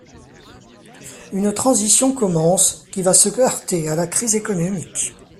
Une transition commence, qui va se heurter à la crise économique.